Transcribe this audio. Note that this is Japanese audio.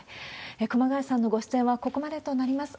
熊谷さんのご出演はここまでとなります。